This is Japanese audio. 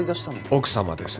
奥様です